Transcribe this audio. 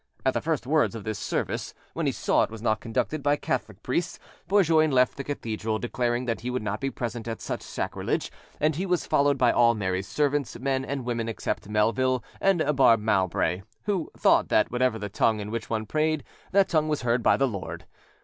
At the first words of this service, when he saw it was not conducted by Catholic priests, Bourgoin left the cathedral, declaring that he would not be present at such sacrilege, and he was followed by all Mary's servants, men and women, except Melville and Barbe Mowbray, who thought that whatever the tongue in which one prayed, that tongue was heard by the Lord.